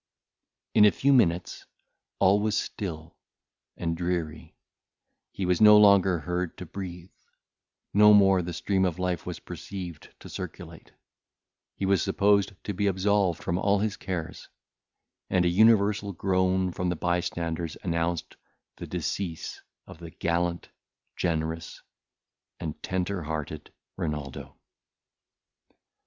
In a few minutes all was still and dreary, he was no longer heard to breathe, no more the stream of life was perceived to circulate, he was supposed to be absolved from all his cares, and an universal groan from the bystanders announced the decease of the gallant, generous, and tender hearted Renaldo.